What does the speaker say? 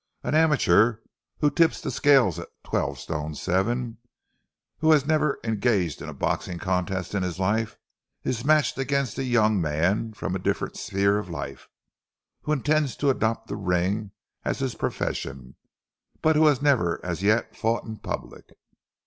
An amateur, who tips the scales at twelve stone seven, who has never engaged in a boxing contest in his life, is matched against a young man from a different sphere of life, who intends to adopt the ring as his profession, but who has never as yet fought in public.